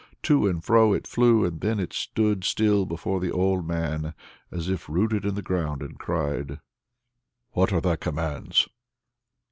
To and fro it flew, and then stood still before the old man, as if rooted in the ground, and cried, "What are thy commands?"